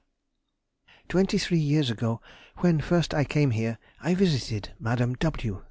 Twenty three years ago, when first I came here, I visited Madame W.